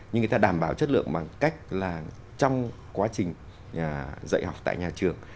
nhưng người ta đảm bảo chất lượng bằng cách là trong quá trình dạy học tại nhà trường